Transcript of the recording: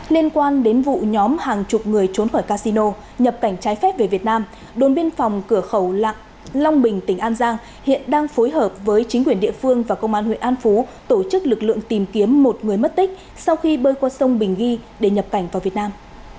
liên quan đến vụ nhóm hàng chục người trốn khỏi casino nhập cảnh trái phép về việt nam đồn biên phòng cửa khẩu long bình tỉnh an giang hiện đang phối hợp với chính quyền địa phương và công an huyện an phú tổ chức lực lượng tìm kiếm một người mất tích sau khi bơi qua sông bình ghi để nhập cảnh vào việt nam